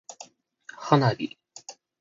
花火